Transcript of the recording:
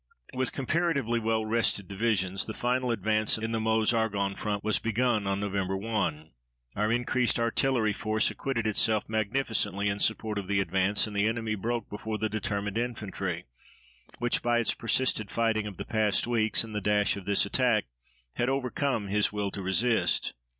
With comparatively well rested divisions, the final advance in the Meuse Argonne front was begun on Nov. 1. Our increased artillery force acquitted itself magnificently in support of the advance, and the enemy broke before the determined infantry, which, by its persistent fighting of the past weeks and the dash of this attack, had overcome his will to resist.